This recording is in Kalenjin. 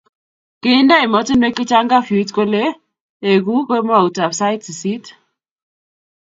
kiinde emetonwek che chang' kafyuit koleku kemoutab sait sisit